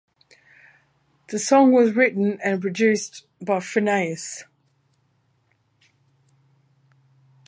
The song was written and produced by Finneas.